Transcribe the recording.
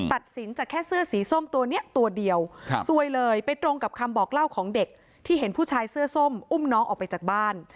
ตัดสินจากแค่เสื้อสีส้มตัวนี้ตัวเดียวซวยเลยไปตรงกับคำบอกเล่าของเด็กที่เห็นผู้ชายเสื้อส้มอุ้มน้องออกไปจากบ้าน